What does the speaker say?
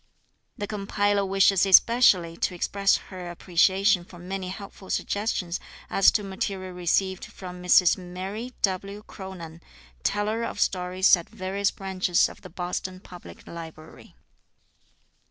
The compiler wishes especially to express her appreciation for many helpful suggestions as to material received from Mrs Mary W. Cronan, teller of stories at various branches of the Boston Public Library.